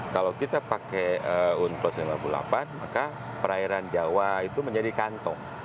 kalau kita pakai unclos lima puluh delapan maka perairan jawa itu menjadi kantong